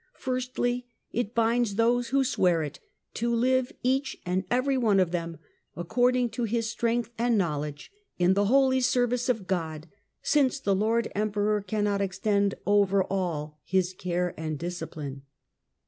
Firstly, it binds those who swear it to live, each and every one of them, according to his strength and knowledge, in the holy service of God ; since the Lord Emperor cannot extend over all his care and discipline.